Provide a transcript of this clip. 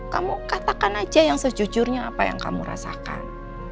kamu katakan aja yang sejujurnya apa yang kamu rasakan